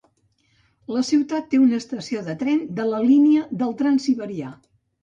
La ciutat té una estació de tren de la línia del Transsiberià.